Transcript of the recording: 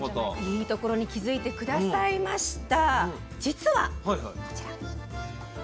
いいところに気付いてくださいました。